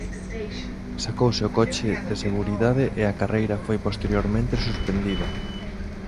Sacouse o coche de seguridade e a carreira foi posteriormente suspendida.